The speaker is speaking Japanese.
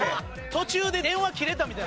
途中で電話切れたみたい。